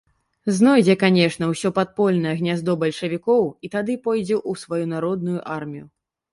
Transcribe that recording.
Знойдзе, канешне, усё падпольнае гняздо бальшавікоў і тады пойдзе ў сваю народную армію.